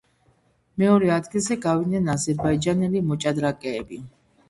მეორე ადგილზე გავიდნენ აზერბაიჯანელი მოჭადრაკეები.